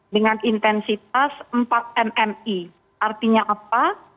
dengan intensitas empat nmi artinya apa